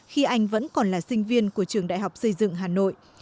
khi anh vẫn còn là sinh viên của trường đại học xây dựng hà nội